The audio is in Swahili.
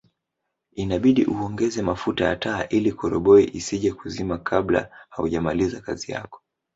Inabidi uongeze mafuta ya taa ili koroboi isije kuzima kabla haujamaliza kazi yako